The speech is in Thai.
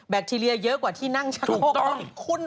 แบคทีเรียเยอะกว่าที่นั่งชักโครกของคุณ